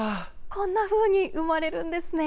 こんなふうに産まれるんですね。